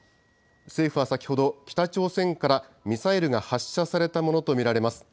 政府は先ほど、北朝鮮からミサイルが発射されたものと見られます。